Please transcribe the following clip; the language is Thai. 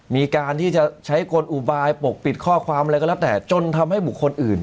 มีการที่จะใช้กลอุบายปกปิดข้อความอะไรก็แล้วแต่จนทำให้บุคคลอื่น